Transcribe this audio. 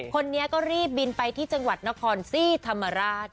คนนี้ก็รีบบินไปที่จังหวัดนครซี่ธรรมราช